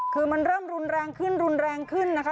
คือมันเริ่มรุนแรงขึ้นรุนแรงขึ้นนะคะ